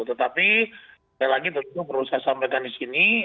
tetapi sekali lagi tentu perlu saya sampaikan di sini